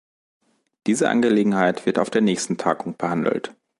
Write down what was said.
Diese Angelegenheit wird auf der nächsten Tagung behandelt.